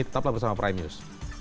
tetaplah bersama prime news